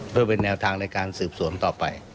เพื่อเป็นแนวทางในการสืบสวนต่อไป